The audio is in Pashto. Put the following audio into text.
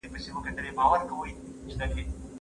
زموږ په کلاسيک ادب کې هر څه شته.